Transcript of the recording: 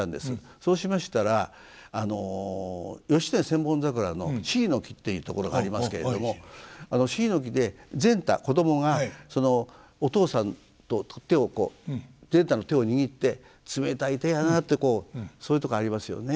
そうしましたら「義経千本桜」の「椎の木」っていうところがありますけれどもあの「椎の木」で善太子供がお父さんと手をこう善太の手を握って「冷たい手やな」ってそう言うとこありますよね。